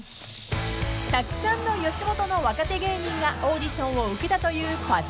［たくさんの吉本の若手芸人がオーディションを受けたという『パッチギ！』］